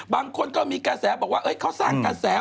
บางคนก็มีการแสวะบอกว่าเขาสร้างการแสวะ